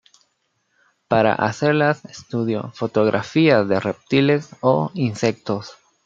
Para hacerlas estudio fotografías de reptiles o insectos.